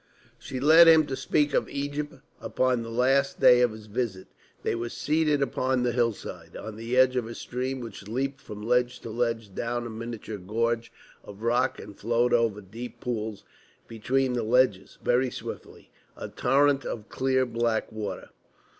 She led him to speak of Egypt upon the last day of his visit. They were seated upon the hillside, on the edge of a stream which leaped from ledge to ledge down a miniature gorge of rock, and flowed over deep pools between the ledges very swiftly, a torrent of clear black water.